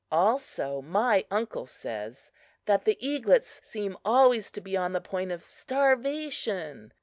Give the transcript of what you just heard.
Also, my uncle says that the eaglets seem always to be on the point of starvation.